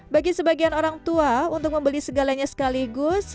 bagi sebagian orang tua untuk membeli segalanya sekaligus